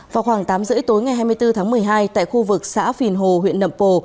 vào khoảng tám h ba mươi tối ngày hai mươi bốn tháng một mươi hai tại khu vực xã phìn hồ huyện nậm pồ